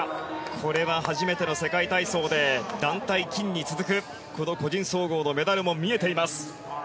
これは初めての世界体操で団体金に続く、個人総合のメダルも見えています。